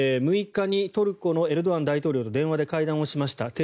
６日にトルコのエルドアン大統領と電話で会談をしました。